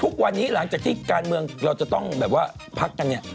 ทุกวันนี้หลังจากที่การเมืองเราจะต้องแบบว่าพักกันเนี่ย